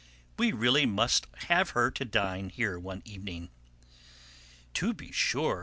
We really must have her to dine here one evening." "To be sure!"